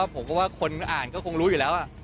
ผมก็ว่าคนอ่านก็คงรู้อยู่แล้ว